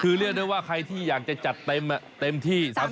คือเรียกได้ว่าใครที่อยากจะจัดเต็มที่๓๐บาทคนนั้นเลย